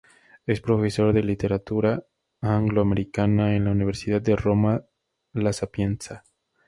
Es profesor de literatura Anglo-americana en la Universidad de Roma La Sapienza.